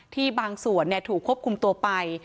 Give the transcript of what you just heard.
บางส่วนถูกควบคุมตัวไป